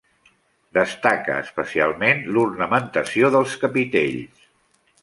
Destaca especialment l'ornamentació dels capitells.